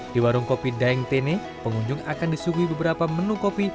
di warung kopi daeng teni pengunjung akan disuguhi beberapa menu kopi